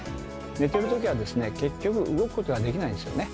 寝てるときはですね結局動くことはできないんですよね。